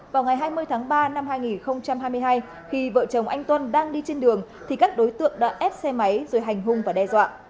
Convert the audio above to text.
vào ngày hai mươi tháng ba năm hai nghìn hai mươi hai khi vợ chồng anh tuấn đang đi trên đường thì các đối tượng đã ép xe máy rồi hành hung và đe dọa